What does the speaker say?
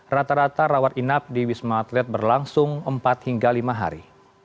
rata rata rawat inap di wisma atlet berlangsung empat hingga lima hari